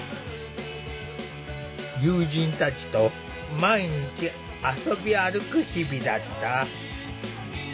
友人たちと毎日遊び歩く日々だった。